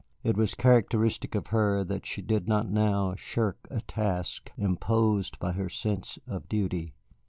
It was characteristic of her that she did not now shirk a task imposed by her sense of duty.